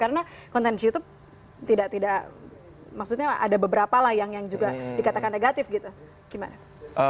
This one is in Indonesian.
karena konten di youtube tidak tidak maksudnya ada beberapa lah yang juga dikatakan negatif gitu gimana